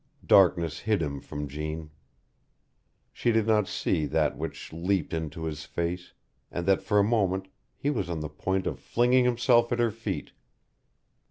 Darkness hid him from Jeanne. She did not see that which leaped into his face, and that for a moment he was on the point of flinging himself at her feet.